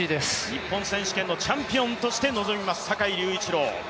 日本選手権のチャンピオンとして臨みます、坂井隆一郎。